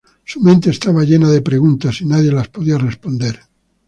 Su mente estaba llena de preguntas y nadie las podía responder.